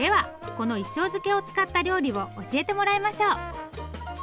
この一升漬けを使った料理を教えてもらいましょう。